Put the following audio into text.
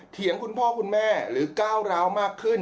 คุณพ่อคุณแม่หรือก้าวร้าวมากขึ้น